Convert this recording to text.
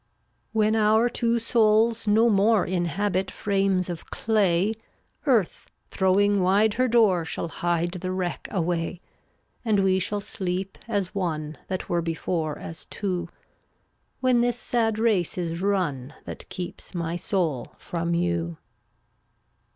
363 When our two souls no more Inhabit frames of clay, Earth, throwing wide her door, Shall hide the wreck away; And we shall sleep as one That were before as two — When this sad race is run That keeps my soul from you.